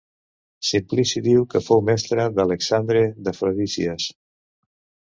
Simplici diu que fou mestre d'Alexandre d'Afrodísies.